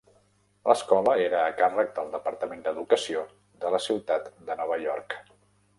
L'escola era a càrrec del departament d'educació de la ciutat de Nova York.